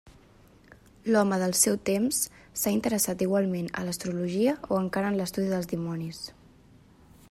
L'Home del seu temps, s'ha interessat igualment a l'astrologia o encara en l'estudi dels dimonis.